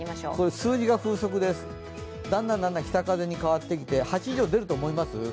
数字が風速です、だんだん北風に変わってきて、８以上、出ると思います？